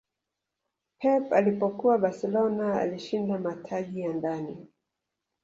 pep alipokuwa barcelona alishinda mataji ya ndani